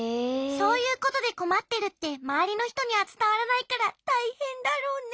そういうことでこまってるってまわりのひとにはつたわらないからたいへんだろうね。